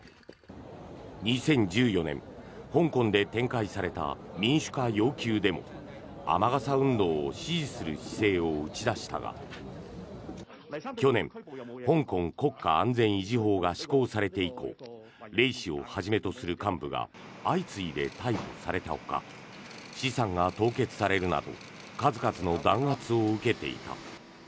２０１４年、香港で展開された民主化要求デモ雨傘運動を支持する姿勢を打ち出したが去年、香港国家安全維持法が施行されて以降レイ氏をはじめとする幹部が相次いで逮捕されたほか資産が凍結されるなど数々の弾圧を受けていた。